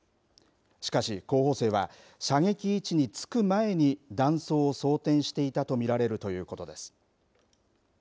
しかし候補生は射撃位置に着く前に弾倉を装てんしていたと見られるということです。